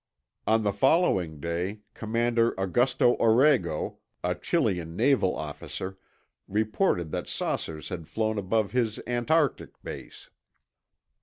On the following day Commander Augusto Orrego, a Chilean naval officer, reported that saucers had flown above his antarctic base.